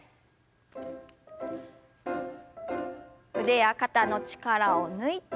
腕や肩の力を抜いて。